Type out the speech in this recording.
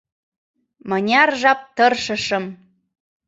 Мыняр жап тыршышым...